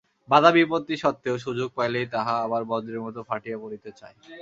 বাধা-বিপত্তি সত্ত্বেও সুযোগ পাইলেই তাহা আবার বজ্রের মত ফাটিয়া পড়িতে চায়।